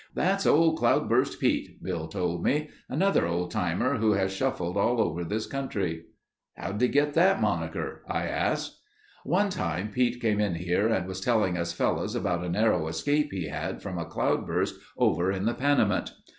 "That's old Cloudburst Pete," Bill told me. "Another old timer who has shuffled all over this country." "How did he get that moniker?" I asked. "One time Pete came in here and was telling us fellows about a narrow escape he had from a cloudburst over in the Panamint.